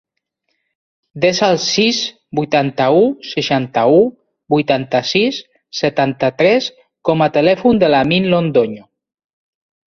Desa el sis, vuitanta-u, seixanta-u, vuitanta-sis, setanta-tres com a telèfon de l'Amin Londoño.